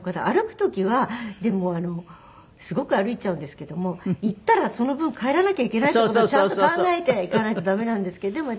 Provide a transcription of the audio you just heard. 歩く時はでもあのすごく歩いちゃうんですけども行ったらその分帰らなきゃいけないって事もちゃんと考えて行かないとダメなんですけど。